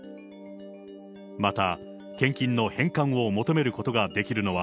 また献金の返還を求めることができるのは、